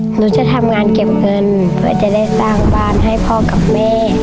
หนูจะทำงานเก็บเงินเพื่อจะได้สร้างบ้านให้พ่อกับแม่